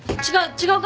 違う。